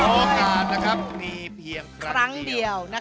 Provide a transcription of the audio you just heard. โอกาสนะครับมีเพียงครั้งเดียว